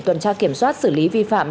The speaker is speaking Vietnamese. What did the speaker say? tuần tra kiểm soát xử lý vi phạm